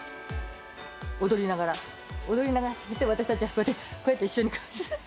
踊りながら、踊りながら、私たちはこうやって、こうやって一緒に。